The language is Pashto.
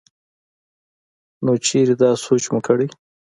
نو چرې دا سوچ مو کړے